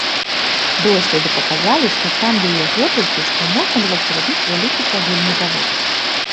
Доследы паказалі, што там яе гэтулькі, што можна было б зрабіць вялікі цагельны завод.